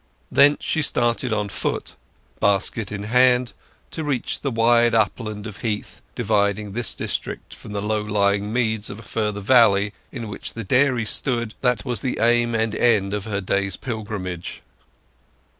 Thence she started on foot, basket in hand, to reach the wide upland of heath dividing this district from the low lying meads of a further valley in which the dairy stood that was the aim and end of her day's pilgrimage.